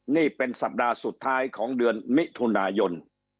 นี่เป็นสัปดาห์สุดท้ายของเดือนมิถุนายน